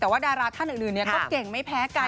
แต่ว่าดาราท่านอื่นก็เก่งไม่แพ้กัน